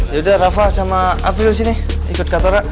yaudah rafa sama april sini ikut kak tor ya